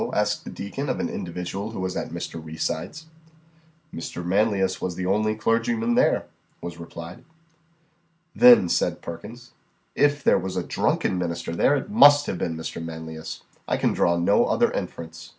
asked the deacon of an individual who was at Mr. Reeside's. "Mr. Manlius was the only clergyman there," was replied. "Then," said Perkins, "if there was a drunken minister there, it must have been Mr. Manlius. I can draw no other inference."